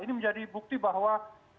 ini menjadi bukti bahwa